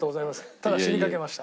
ただ死にかけました。